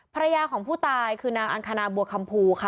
ภรรยาของผู้ตายคือนางอังคณาบัวคำภูค่ะ